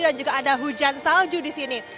juga ada hujan salju di sini